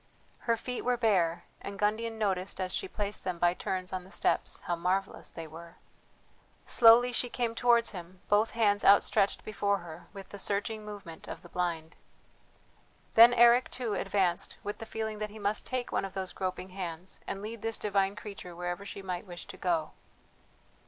Her feet were bare, and Gundian noticed, as she placed them by turns on the steps, how marvellous they were. Slowly she came towards him, both hands outstretched before her, with the searching movement of the blind. Then Eric, too, advanced with the feeling that he must take one of those groping hands and lead this divine creature wherever she might wish to go.